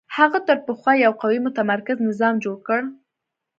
هغه تر پخوا یو قوي متمرکز نظام جوړ کړ